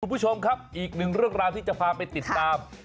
คุณผู้ชมครับอีกหนึ่งเรื่องราวที่จะพาไปติดตาม